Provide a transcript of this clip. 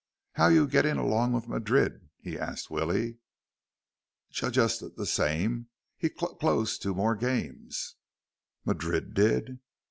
"How you getting along with Madrid?" he asked Willie. "J just the s same. He c closed two more games." "Madrid did?"